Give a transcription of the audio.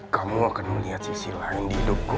kamu akan melihat sisi lain di hidupmu